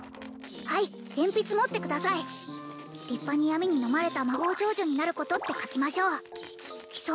はい鉛筆持ってください立派に闇にのまれた魔法少女になることって書きましょう貴様